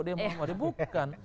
dia mengumumkan bukan